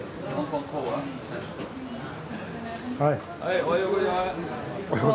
おはようございます。